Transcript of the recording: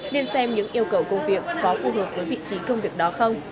nên xem những yêu cầu công việc có phù hợp với vị trí công việc đó không